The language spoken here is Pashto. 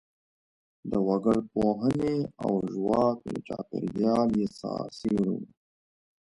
د وګړپوهنې او ژواک له چاپیریال یې څېړو.